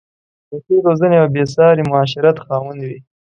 د ښې روزنې او بې ساري معاشرت خاوند وې.